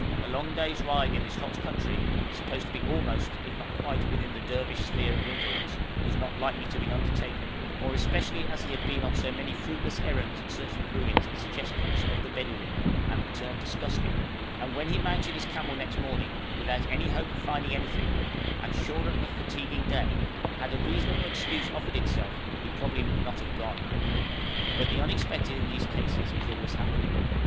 A long day's ride in this hot country, supposed to be almost, if not quite, within the Dervish sphere of influence, was not lightly to be undertaken, more especially as he had been on so many fruitless errands in search of ruins at suggestions of the Bedouin, and returned disgusted, and when he mounted his camel next morning, without any hope of finding anything, and sure of a fatiguing day, had a reasonable excuse offered itself, he would probably not have gone. But the unexpected in these cases is always happening.